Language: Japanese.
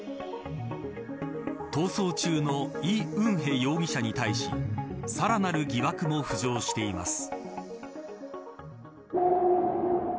逃走中のイ・ウンヘ容疑者に対しさらなる疑惑も浮上しています。